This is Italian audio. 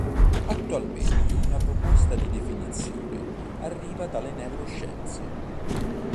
Attualmente una proposta di definizione arriva dalle neuroscienze.